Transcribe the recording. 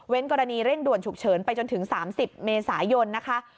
กรณีเร่งด่วนฉุกเฉินไปจนถึง๓๐เมษายนนะคะ